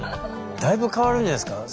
だいぶ変わるんじゃないんですか？